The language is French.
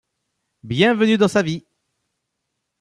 Bienvenue dans sa vie.